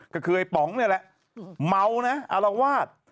ก็คือไอ้ป๋องนี่แหละเมานะอารวาส